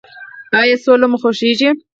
ایا سوله مو خوښیږي؟